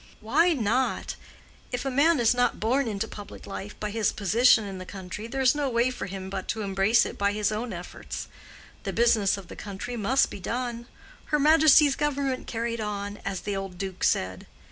"Why not? if a man is not born into public life by his position in the country, there's no way for him but to embrace it by his own efforts. The business of the country must be done—her Majesty's Government carried on, as the old Duke said.